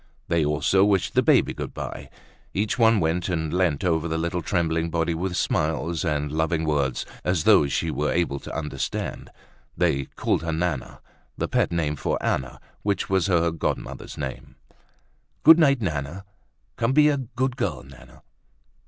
They also wished the baby good bye. Each one went and leant over the little trembling body with smiles and loving words as though she were able to understand. They called her Nana, the pet name for Anna, which was her godmother's name. "Good night, Nana. Come be a good girl, Nana."